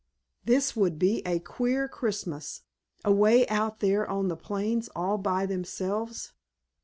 _ This would be a queer Christmas, away out there on the plains all by themselves!